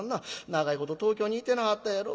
長いこと東京にいてなはったやろ。